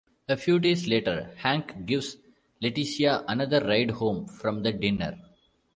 A few days later, Hank gives Leticia another ride home from the diner.